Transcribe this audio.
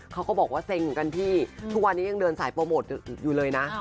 เขาก็บอกว่าเซ็งเหมือนกันพี่ทุกวันนี้ยังเดินสายโปรโมทอยู่เลยนะ